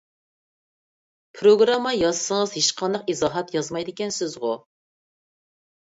پىروگرامما يازسىڭىز ھېچقانداق ئىزاھات يازمايدىكەنسىزغۇ!